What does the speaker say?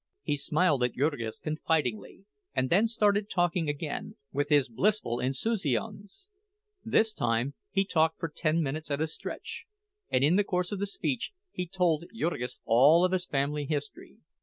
He smiled at Jurgis confidingly, and then started talking again, with his blissful insouciance. This time he talked for ten minutes at a stretch, and in the course of the speech he told Jurgis all of his family history.